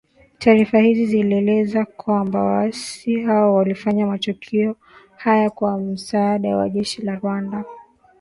Taarifa hizi zilieleza kwamba Waasi hao walifanya matukio haya kwa msaada wa jeshi la Rwanda